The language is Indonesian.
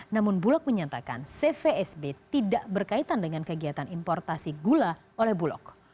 namun bulog menyatakan cvsb tidak berkaitan dengan kegiatan importasi gula oleh bulog